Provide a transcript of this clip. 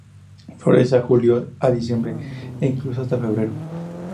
Florece de julio a diciembre, e incluso, hasta febrero.